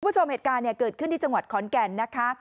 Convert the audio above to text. คุณผู้ชมเหตุการณ์เกิดขึ้นที่จังหวัดขอนแก่นนะคะ